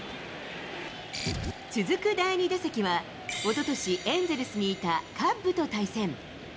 続く第２打席はおととし、エンゼルスにいたカッブと対戦。